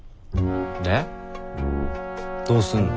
でどうすんの？